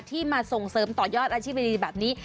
มาส่งเสริมต่อยอดอาชีพดีแบบนี้